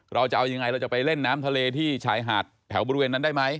เราจะเอายังไงเราจะไปเล่นน้ำทะเลที่ชายหาดแถวบริเวณนั้นได้ไหม